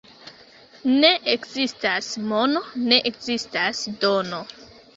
Ne ekzistas mono, ne ekzistas dono.